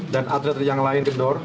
dan atlet yang lain kendor